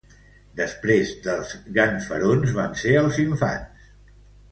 Després dels ganfarons van ser els infants